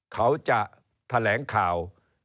เขาจะแถลงข่าว